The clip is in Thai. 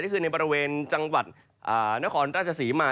ก็คือในบริเวณจังหวัดนครราชศรีมา